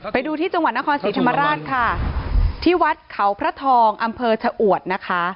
ไปดูที่จังหวัดนครศรีธรรมราชค่ะที่วัดเขาพระทองอำเภอชะอวดนะคะ